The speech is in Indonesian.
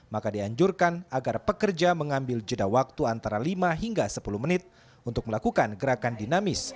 maka dianjurkan agar pekerja mengambil jeda waktu antara lima hingga sepuluh menit untuk melakukan gerakan dinamis